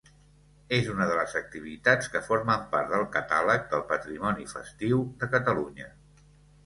És una de les activitats que formen part del Catàleg del Patrimoni Festiu de Catalunya.